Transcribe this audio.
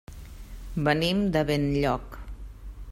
Venim de Benlloc.